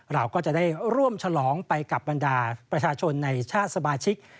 เราก็จะได้ร่วมฉลองไปกับบรรดาประชาชนในชาติสมาชิก